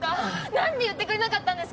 何で言ってくれなかったんですか！